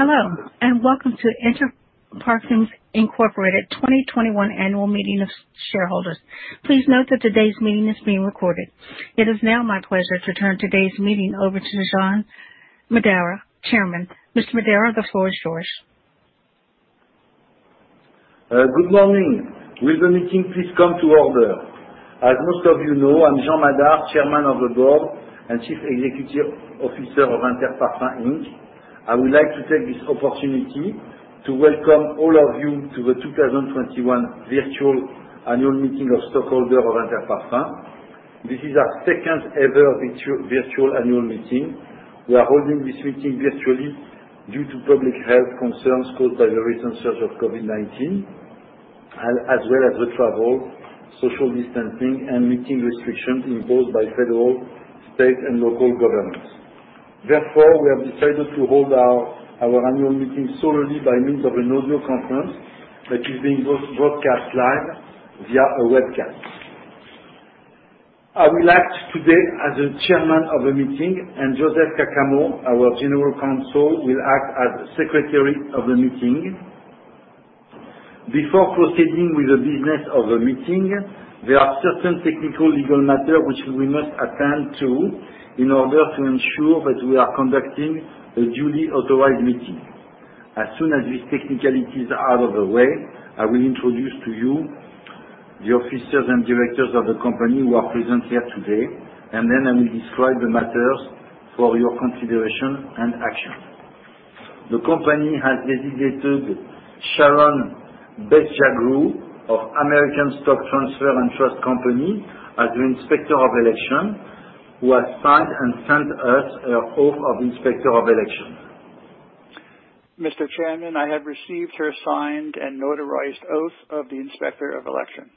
Hello, and welcome to Inter Parfums, Inc. 2021 annual meeting of shareholders. Please note that today's meeting is being recorded. It is now my pleasure to turn today's meeting over to Jean Madar, Chairman. Mr. Madar, the floor is yours. Good morning. Will the meeting please come to order? As most of you know, I'm Jean Madar, Chairman of the Board and Chief Executive Officer of Inter Parfums Inc. I would like to take this opportunity to welcome all of you to the 2021 virtual annual meeting of stockholders of Inter Parfums. This is our second ever virtual annual meeting. We are holding this meeting virtually due to public health concerns caused by the recent surge of COVID-19, as well as the travel, social distancing, and meeting restrictions imposed by federal, state, and local governments. Therefore, we have decided to hold our annual meeting solely by means of an audio conference that is being broadcast live via a webcast. I will act today as the chairman of the meeting, and Joseph Caccamo, our general counsel, will act as secretary of the meeting. Before proceeding with the business of the meeting, there are certain technical legal matters which we must attend to in order to ensure that we are conducting a duly authorized meeting. As soon as these technicalities are out of the way, I will introduce to you the officers and directors of the company who are present here today, and then I will describe the matters for your consideration and action. The company has designated Sharon Bajagrou of American Stock Transfer & Trust Company as the Inspector of Election, who has signed and sent us her oath of Inspector of Election. Mr. Chairman, I have received her signed and notarized oath of the Inspector of Election.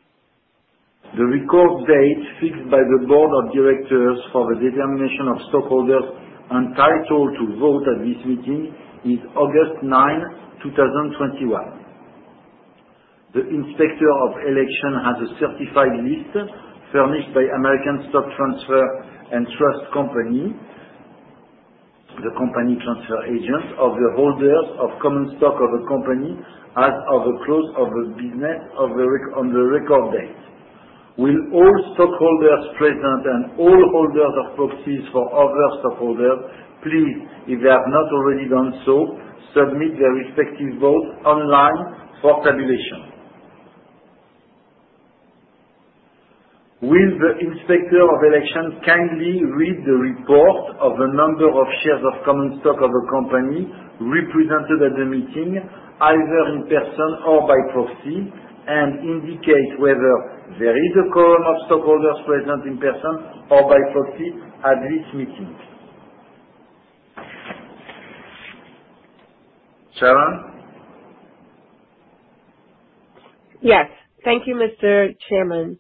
The record date fixed by the board of directors for the determination of stockholders entitled to vote at this meeting is August 9, 2021. The Inspector of Election has a certified list furnished by American Stock Transfer & Trust Company, the company transfer agent of the holders of common stock of the company as of the close of the business on the record date. Will all stockholders present and all holders of proxies for other stockholders please, if they have not already done so, submit their respective votes online for tabulation. Will the Inspector of Election kindly read the report of the number of shares of common stock of the company represented at the meeting, either in person or by proxy, and indicate whether there is a quorum of stockholders present in person or by proxy at this meeting. Sharon? Yes. Thank you, Mr. Chairman.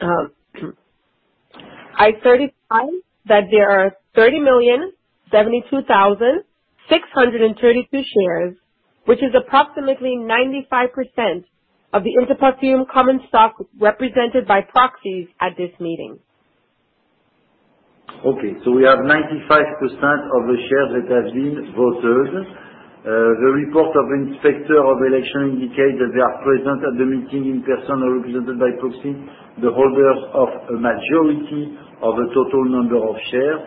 I certify that there are 30,072,632 shares, which is approximately 95% of the Inter Parfums common stock represented by proxies at this meeting. Okay, we have 95% of the shares that have been voted. The report of Inspector of Election indicates that they are present at the meeting in person or represented by proxy, the holders of a majority of the total number of shares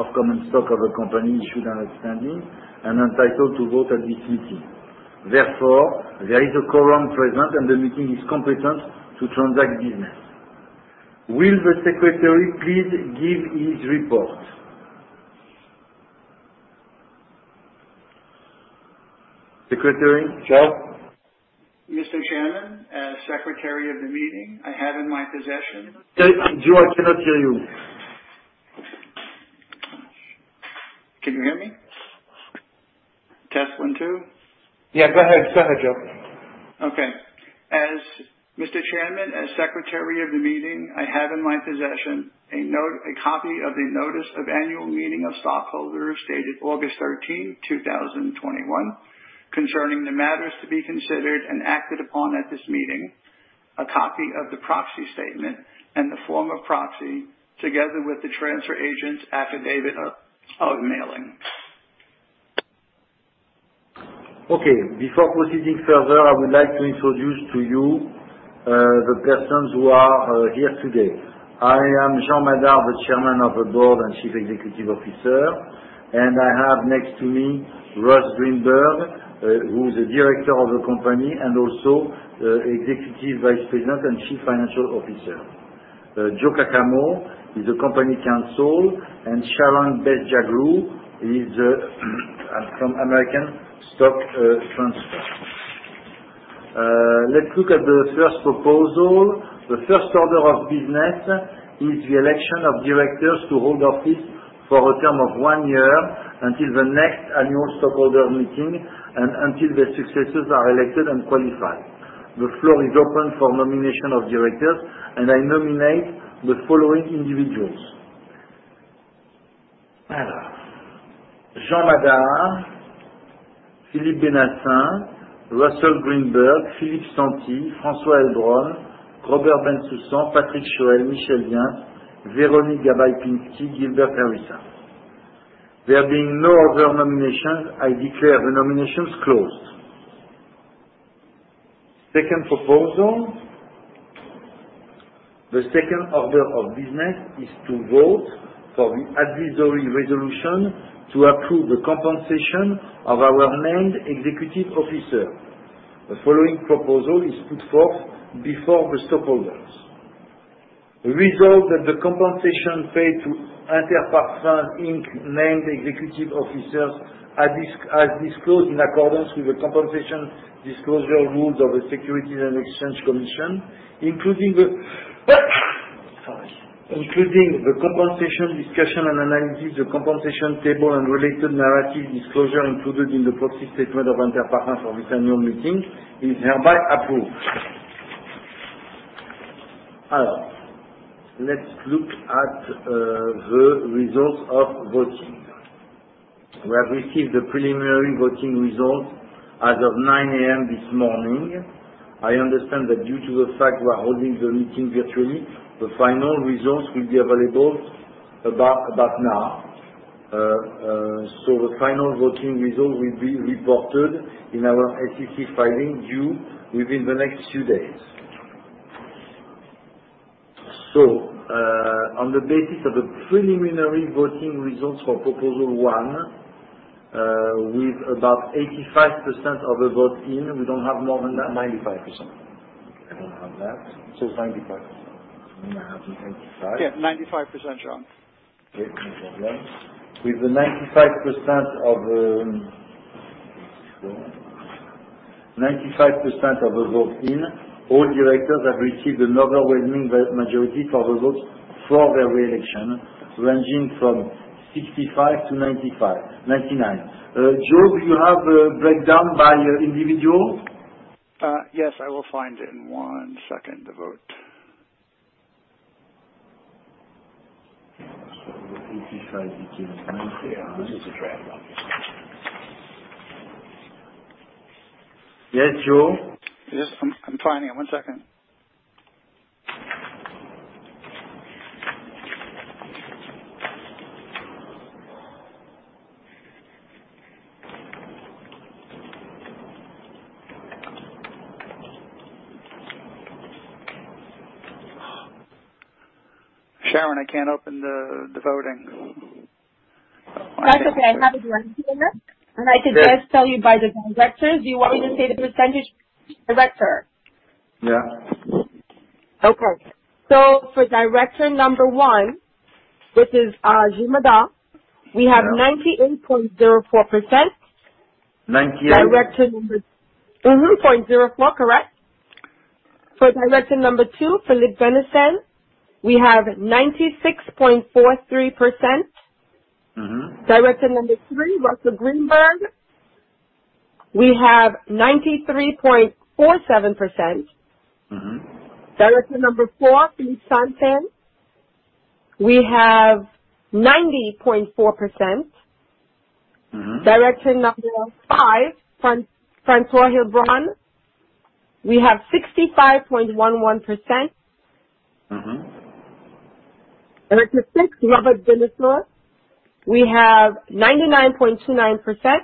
of common stock of a company issued and outstanding, and entitled to vote at this meeting. Therefore, there is a quorum present, and the meeting is competent to transact business. Will the secretary please give his report. Secretary, Joe? Mr. Chairman, as secretary of the meeting, I have in my possession. Joe, I cannot hear you. Can you hear me? Test, one, two. Yeah, go ahead. Go ahead, Joe. Okay. Mr. Chairman, as secretary of the meeting, I have in my possession a copy of the notice of annual meeting of stockholders dated August 13, 2021, concerning the matters to be considered and acted upon at this meeting, a copy of the proxy statement and the form of proxy, together with the transfer agent's affidavit of mailing. Before proceeding further, I would like to introduce to you the persons who are here today. I am Jean Madar, the Chairman of the Board and Chief Executive Officer, and I have next to me Russ Greenberg, who is a Director of the company and also Executive Vice President and Chief Financial Officer. Joseph Caccamo is the company counsel, and Sharon Bajagrou is from American Stock Transfer. Let's look at the first proposal. The first order of business is the election of Directors to hold office for a term of one year until the next annual stockholder meeting and until their successors are elected and qualified. The floor is open for nomination of Directors. I nominate the following individuals: Jean Madar, Philippe Benacin, Russell Greenberg, Philippe Santi, François Heilbronn, Robert Bensoussan, Patrick Choël, Michel Dyens, Veronique Gabai-Pinsky, Gilbert Harrison. There being no other nominations, I declare the nominations closed. Second proposal. The second order of business is to vote for the advisory resolution to approve the compensation of our named executive officer. The following proposal is put forth before the stockholders. Resolved that the compensation paid to Inter Parfums, Inc. named executive officers, as disclosed in accordance with the compensation disclosure rules of the Securities and Exchange Commission, including the sorry, including the compensation discussion and analysis, the compensation table and related narrative disclosure included in the proxy statement of Inter Parfums of this annual meeting is hereby approved. Let's look at the results of voting. We have received the preliminary voting results as of 9:00 A.M. this morning. I understand that due to the fact we are holding the meeting virtually, the final results will be available about now. The final voting result will be reported in our SEC filing due within the next few days. On the basis of the preliminary voting results for proposal one, with about 85% of the votes in, we don't have more than that? 95%. I don't have that. It says 95%. I only have it as 85. Yeah, 95%, Jean. Okay. No problem. With 95% of the vote in, all directors have received an overwhelming majority of the votes for their re-election, ranging from 65% to 99%. Joe, do you have a breakdown by individual? Yes, I will find it in one second, the vote. If he says between 90 and This is a draft document. Yes, Joe? Yes, I'm finding it. one second. Sharon, I can't open the voting. That's okay. I have it right here, and I could just tell you by the directors. Do you want me to say the % per director? Yeah. Okay. For director number 1, this is Jean Madar, we have 98.04%. Ninety-eight- Director number 0.04. Correct. For director number 2, Philippe Benacin, we have 96.43%. Director number 3, Russell Greenberg, we have 93.47%. Director number 4, Philippe Santi, we have 90.4%. Director number 5, François Heilbronn, we have 65.11%. Director six, Robert Bensoussan, we have 99.29%.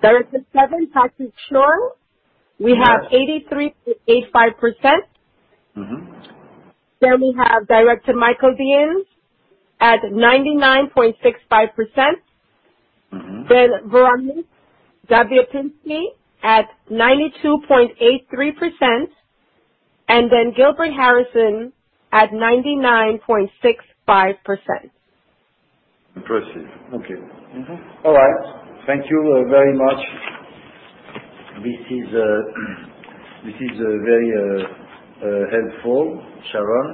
Director seven, Patrick Choël, we have 83.85%. We have Director Michel Dyens at 99.65%. Veronique Gabai-Pinsky at 92.83%, and then Gilbert Harrison at 99.65%. Impressive. Okay. All right. Thank you very much. This is very helpful, Sharon.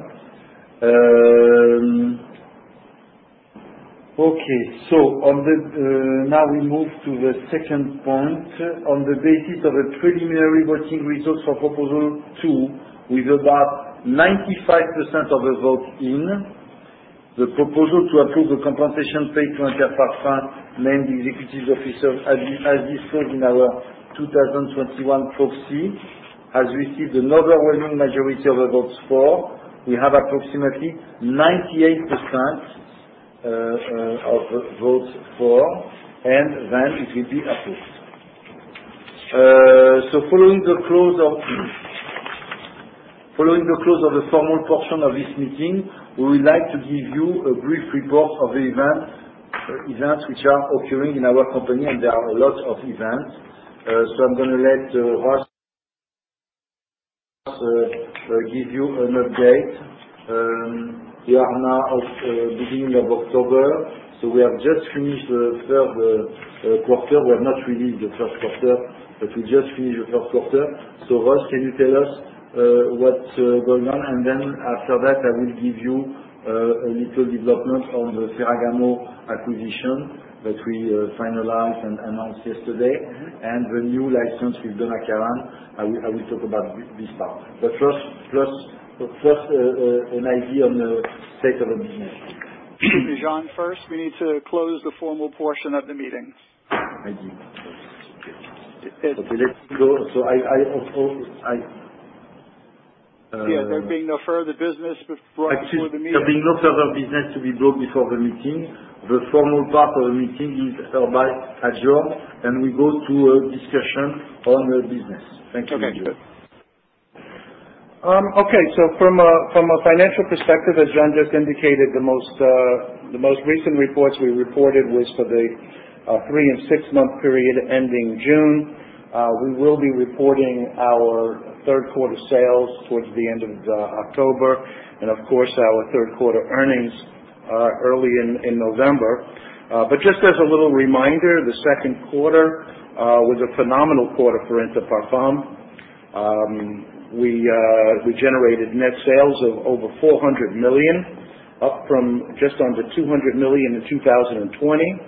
Okay. Now we move to the second point. On the basis of the preliminary voting results for proposal two, with about 95% of the votes in, the proposal to approve the compensation paid to Inter Parfums named executives officers, as disclosed in our 2021 proxy, has received an overwhelming majority of the votes for. We have approximately 98% of the votes for, and then it will be approved. Following the close of the formal portion of this meeting, we would like to give you a brief report of events which are occurring in our company, and there are a lot of events. I'm going to let Russ give you an update. We are now at the beginning of October, so we have just finished the third quarter. We have not released the third quarter, but we just finished the third quarter. Russ, can you tell us what's going on? After that, I will give you a little development on the Ferragamo acquisition that we finalized and announced yesterday, and the new license with Donna Karan. I will talk about this part. First, an idea on the state of the business. Jean, first we need to close the formal portion of the meeting. I did. There being no further business before the meeting. There being no further business to be brought before the meeting, the formal part of the meeting is hereby adjourned, we go to a discussion on the business. Thank you. Okay. Thank you. From a financial perspective, as Jean just indicated, the most recent reports we reported was for the three and six-month period ending June. We will be reporting our third-quarter sales towards the end of October, and of course, our third-quarter earnings early in November. Just as a little reminder, the second quarter was a phenomenal quarter for Inter Parfums. We generated net sales of over $400 million, up from just under $200 million in 2020.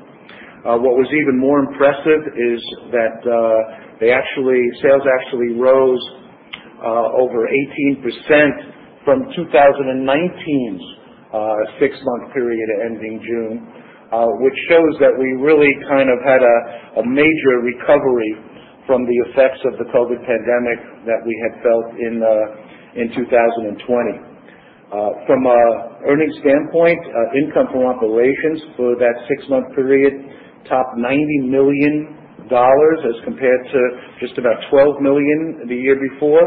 What was even more impressive is that sales actually rose over 18% from 2019's six-month period ending June. Which shows that we really kind of had a major recovery from the effects of the COVID pandemic that we had felt in 2020. From a earnings standpoint, income from operations for that six-month period topped $90 million as compared to just about $12 million the year before.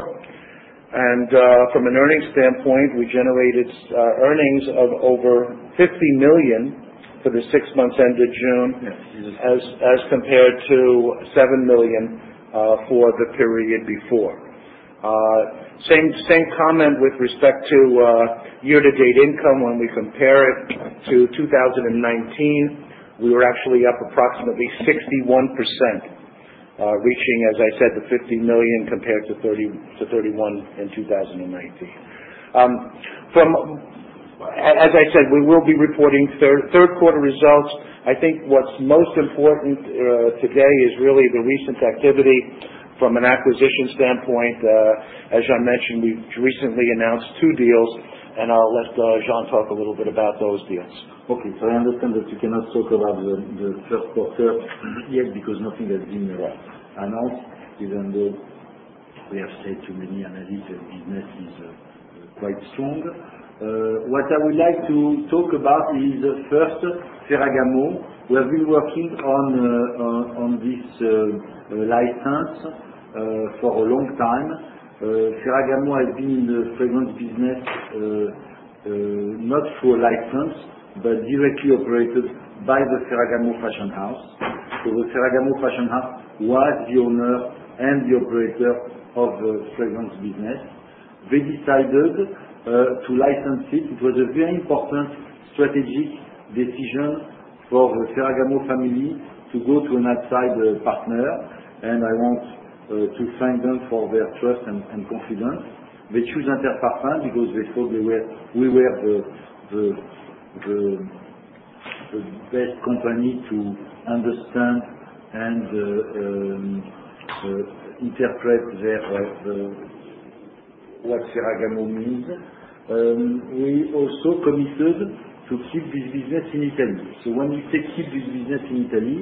From an earnings standpoint, we generated earnings of over $50 million for the six months ended June as compared to $7 million for the period before. Same comment with respect to year-to-date income. When we compare it to 2019, we were actually up approximately 61%, reaching, as I said, the $50 million compared to $30 million-$31 million in 2019. As I said, we will be reporting third quarter results. I think what's most important today is really the recent activity from an acquisition standpoint. As Jean mentioned, we've recently announced two deals, I'll let Jean talk a little bit about those deals. I understand that you cannot talk about the first quarter yet because nothing has been announced, even though we have said to many analysts that business is quite strong. What I would like to talk about is first Ferragamo. We have been working on this license for a long time. Ferragamo has been in the fragrance business, not through a license, but directly operated by the Ferragamo fashion house. The Ferragamo fashion house was the owner and the operator of the fragrance business. They decided to license it. It was a very important strategic decision for the Ferragamo family to go to an outside partner, and I want to thank them for their trust and confidence. They chose Inter Parfums because they thought we were the best company to understand and interpret what Ferragamo means. We also committed to keep this business in Italy. When we say keep this business in Italy,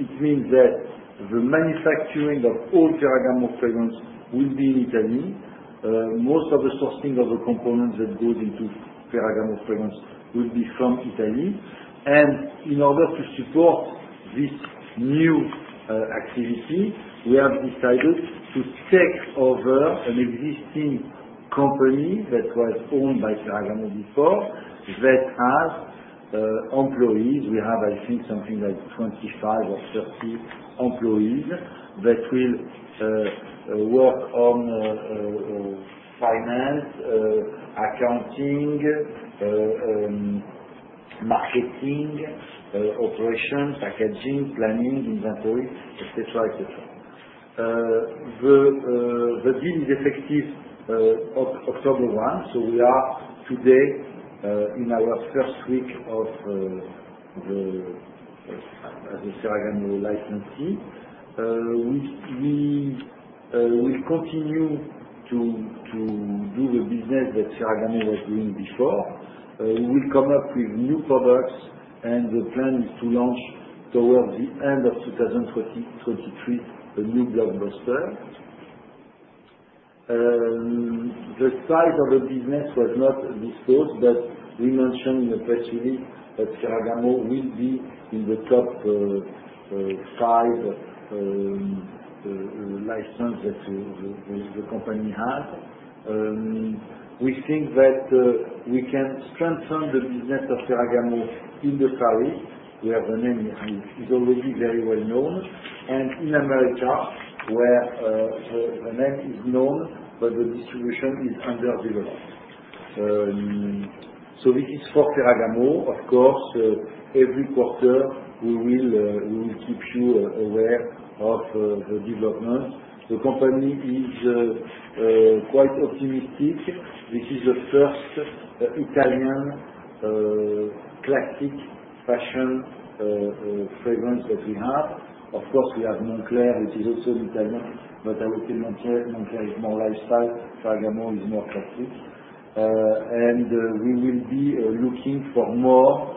it means that the manufacturing of all Ferragamo fragrance will be in Italy. Most of the sourcing of the components that goes into Ferragamo fragrance will be from Italy. In order to support this new activity, we have decided to take over an existing company that was owned by Ferragamo before, that has employees. We have, I think, something like 25 or 30 employees that will work on finance, accounting, marketing, operations, packaging, planning, inventory, et cetera. The deal is effective October 1. We are today in our first week as a Ferragamo licensee. We will continue to do the business that Ferragamo was doing before. We will come up with new products, and the plan is to launch towards the end of 2023, a new blockbuster. The size of the business was not disclosed, we mentioned in the press release that Ferragamo will be in the top five license that the company has. We think that we can strengthen the business of Ferragamo in Paris, where the name is already very well known, and in America, where the name is known, but the distribution is underdeveloped. This is for Ferragamo. Of course, every quarter, we will keep you aware of the development. The company is quite optimistic. This is the first Italian classic fashion fragrance that we have. Of course, we have Moncler, which is also Italian, but I would say Moncler is more lifestyle. Ferragamo is more classic. We will be looking for more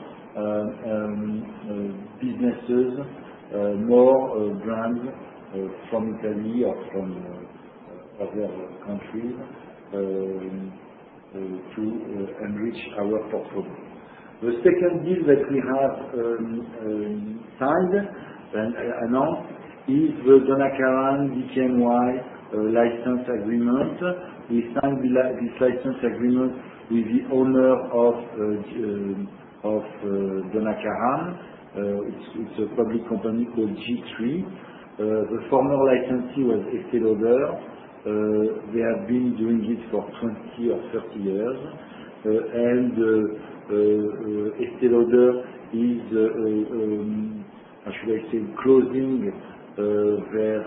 businesses, more brands from Italy or from other countries to enrich our portfolio. The second deal that we have signed and announced is the Donna Karan DKNY license agreement. We signed this license agreement with the owner of Donna Karan. It's a public company called G-III. The former licensee was Estée Lauder. They have been doing this for 20 or 30 years, Estée Lauder is, how should I say, closing their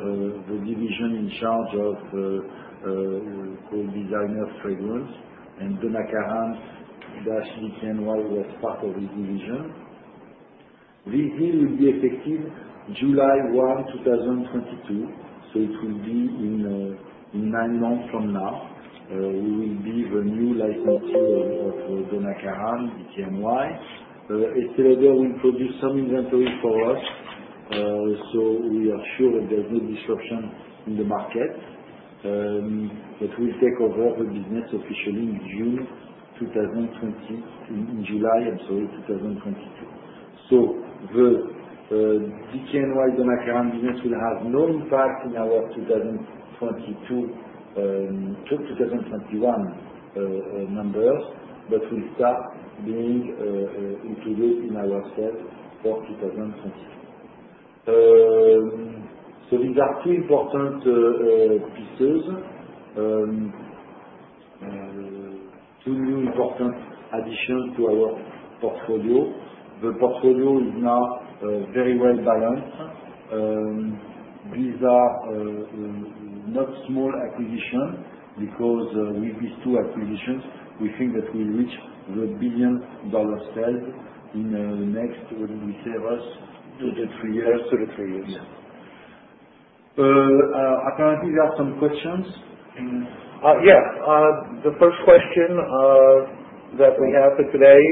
division in charge of co-designer fragrance, and Donna Karan/DKNY was part of this division. This deal will be effective July 1, 2022, it will be in nine months from now. We will be the new licensee of Donna Karan DKNY. Estée Lauder will produce some inventory for us, we are sure that there's no disruption in the market, but we'll take over the business officially in July 2022. The DKNY Donna Karan business will have no impact in our 2021 numbers, but will start being included in our sales for 2022. These are two important pieces, two new important additions to our portfolio. The portfolio is now very well-balanced. These are not small acquisitions, because with these two acquisitions, we think that we'll reach the billion-dollar sales in the next, what do we say, worse? Two to three years. Two to three years. Two to three years. Yeah. Apparently, there are some questions. Yeah. The first question that we have for today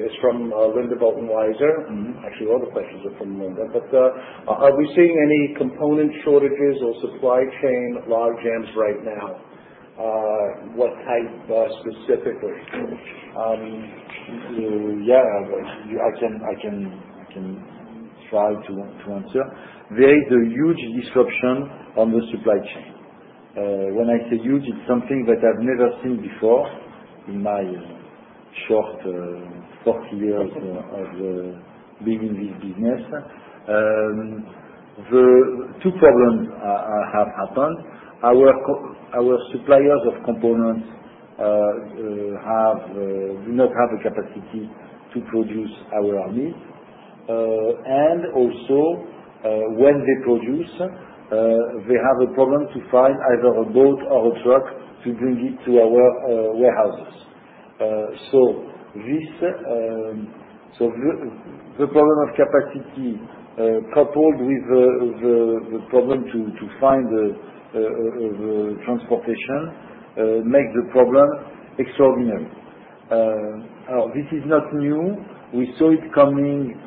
is from Linda Bolton Weiser. Actually, all the questions are from Linda. Are we seeing any component shortages or supply chain log jams right now? What type specifically? Yeah, I can try to answer. There is a huge disruption on the supply chain. When I say huge, it's something that I've never seen before in my short 40 years of being in this business. Two problems have happened. Our suppliers of components do not have the capacity to produce our needs. Also, when they produce, they have a problem to find either a boat or a truck to bring it to our warehouses. The problem of capacity, coupled with the problem to find the transportation, makes the problem extraordinary. This is not new. We saw it coming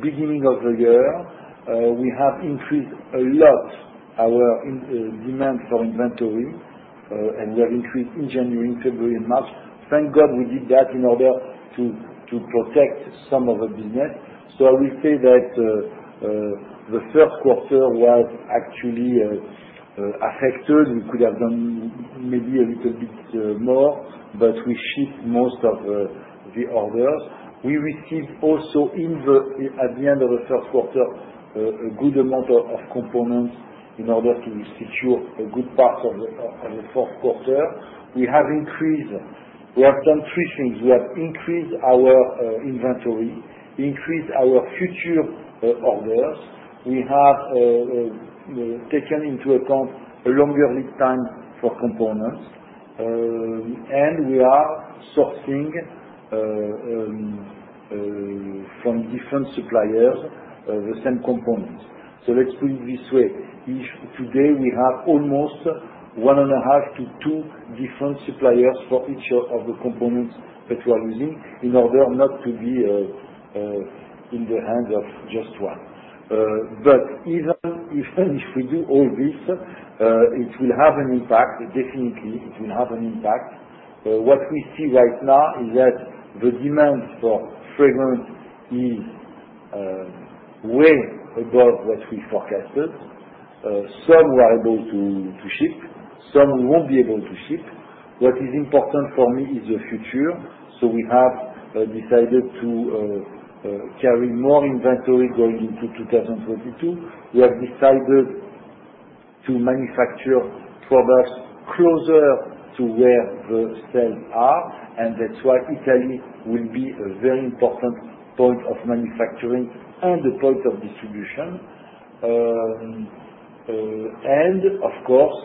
beginning of the year. We have increased a lot our demand for inventory, and we have increased in January, February, and March. Thank God we did that in order to protect some of the business. I will say that the first quarter was actually affected. We could have done maybe a little bit more, we shipped most of the orders. We received also at the end of the first quarter, a good amount of components in order to secure a good part of the fourth quarter. We have done three things. We have increased our inventory, increased our future orders. We have taken into account a longer lead time for components. We are sourcing from different suppliers the same components. Let's put it this way. Today, we have almost one and a half to two different suppliers for each of the components that we are using in order not to be in the hand of just one. Even if we do all this, it will have an impact. Definitely, it will have an impact. What we see right now is that the demand for fragrance is way above what we forecasted. Some we are able to ship, some we won't be able to ship. What is important for me is the future. We have decided to carry more inventory going into 2022. We have decided to manufacture products closer to where the sales are, and that's why Italy will be a very important point of manufacturing and a point of distribution. Of course,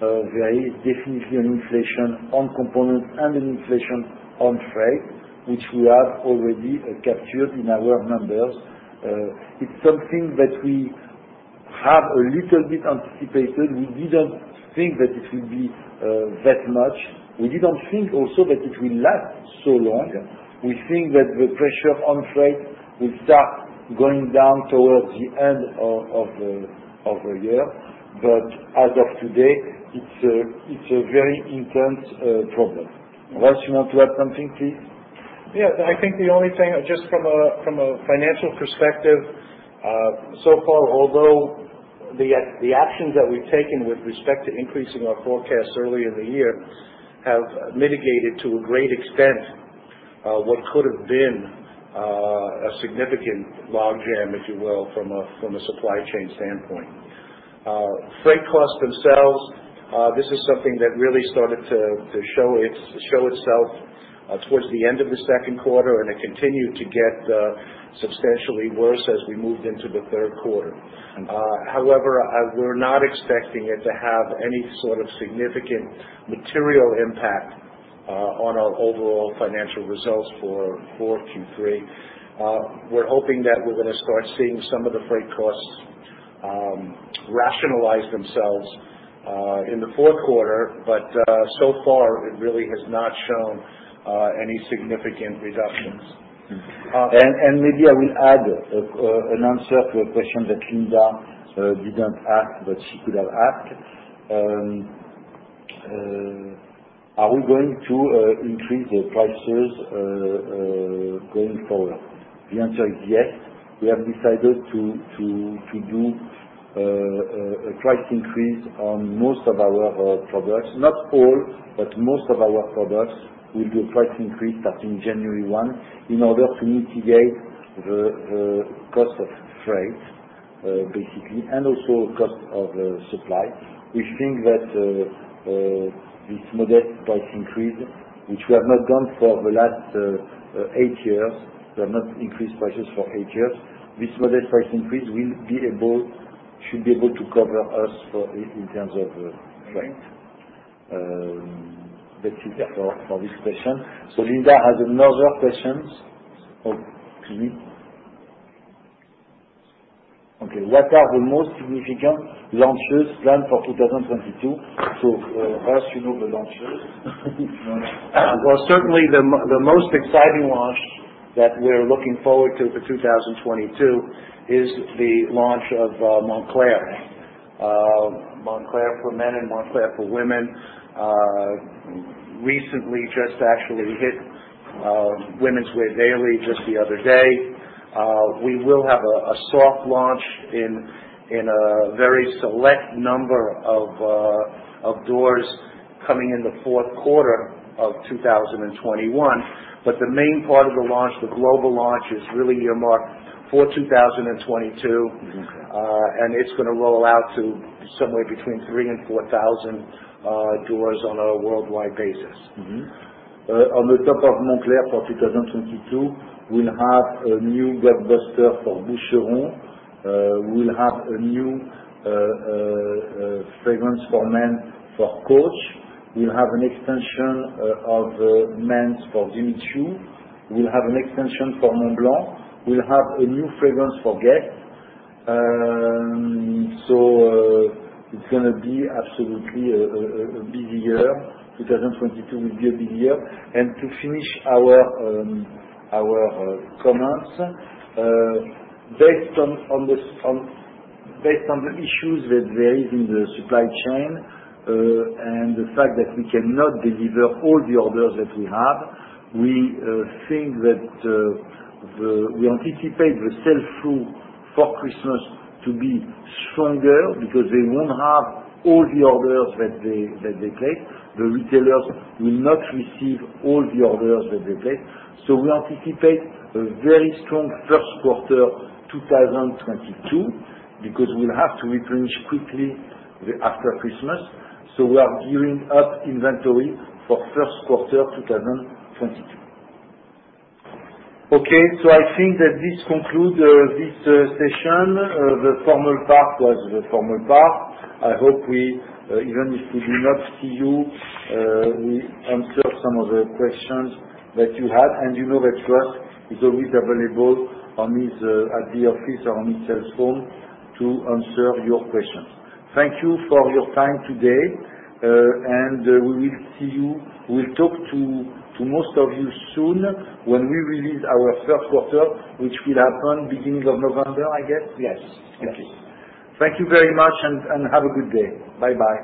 there is definitely an inflation on components and an inflation on freight, which we have already captured in our numbers. It's something that we have a little bit anticipated. We didn't think that it will be that much. We didn't think also that it will last so long. We think that the pressure on freight will start going down towards the end of the year. As of today, it's a very intense problem. Russ, you want to add something, please? I think the only thing, just from a financial perspective, so far, although the actions that we've taken with respect to increasing our forecast early in the year have mitigated to a great extent what could have been a significant log jam, if you will, from a supply chain standpoint. Freight costs themselves, this is something that really started to show itself towards the end of the second quarter. It continued to get substantially worse as we moved into the third quarter. We're not expecting it to have any sort of significant material impact on our overall financial results for Q3. We're hoping that we're going to start seeing some of the freight costs rationalize themselves in the fourth quarter. So far, it really has not shown any significant reductions. Maybe I will add an answer to a question that Linda didn't ask, but she could have asked. Are we going to increase the prices going forward? The answer is yes. We have decided to do a price increase on most of our products. Not all, but most of our products will do a price increase starting January 1, in order to mitigate the cost of freight, basically, and also cost of supply. We think that this modest price increase, which we have not done for the last eight years, we have not increased prices for eight years. This modest price increase should be able to cover us in terms of freight. That's it for this question. Linda has another question. Excuse me. Okay. What are the most significant launches planned for 2022? Russ, you know the launches. Well, certainly the most exciting launch that we're looking forward to for 2022 is the launch of Moncler. Moncler for men and Moncler for women. Recently just actually hit Women's Wear Daily just the other day. We will have a soft launch in a very select number of doors coming in the fourth quarter of 2021. The main part of the launch, the global launch, is really earmarked for 2022. It's going to roll out to somewhere between 3,000 and 4,000 doors on a worldwide basis. On the top of Moncler for 2022, we'll have a new blockbuster for Boucheron. We'll have a new fragrance for men for Coach. We'll have an extension of men's for Jimmy Choo. We'll have an extension for Montblanc. We'll have a new fragrance for Guerlain. It's going to be absolutely a busy year. 2022 will be a big year. To finish our comments, based on the issues that there is in the supply chain, and the fact that we cannot deliver all the orders that we have, we anticipate the sell through for Christmas to be stronger because they won't have all the orders that they take. The retailers will not receive all the orders that they take. We anticipate a very strong first quarter 2022, because we'll have to replenish quickly after Christmas. We are gearing up inventory for first quarter 2022. Okay. I think that this conclude this session. The formal part was the formal part. I hope, even if we do not see you, we answered some of the questions that you had. You know that Russ is always available at the office or on his cell phone to answer your questions. Thank you for your time today, and we will see you. We'll talk to most of you soon when we release our first quarter, which will happen beginning of November, I guess. Yes. Okay. Thank you very much and have a good day. Bye-bye.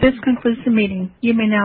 This concludes the meeting. You may now disconnect.